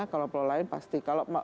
kalau pulau lain pasti